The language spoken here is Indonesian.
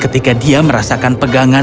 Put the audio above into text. ketika dia merasakan pegangan payung ajaib